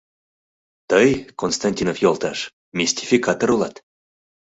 Тый, Константинов йолташ, мистификатор улат...